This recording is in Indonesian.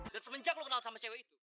dan semenjak lo kenal sama cewek itu